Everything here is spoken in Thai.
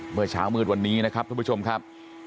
เมื่อเช้ามืดวันนี้นะครับทุกผู้ชมครับ